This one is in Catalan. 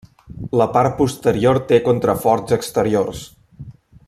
La part posterior té contraforts exteriors.